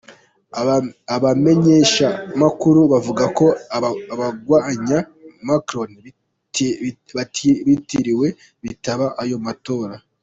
Abamenyeshamakuru bavuga ko abagwanya Macron batiriwe bitaba ayo matora.